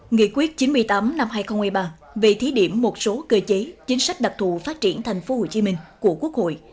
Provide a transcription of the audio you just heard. nghị quyết chín mươi tám năm hai nghìn một mươi ba về thí điểm một số cơ chế chính sách đặc thù phát triển tp hcm của quốc hội